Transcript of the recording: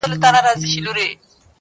چي در معلوم شي د درمن زړګي حالونه،